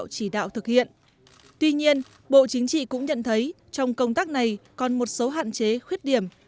chúng mình cũng nhận thấy trong công tác này còn một số hạn chế khuyết điểm